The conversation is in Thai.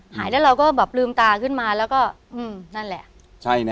หายแล้วเราก็แบบลืมตาขึ้นมาแล้วก็นั่นแหละ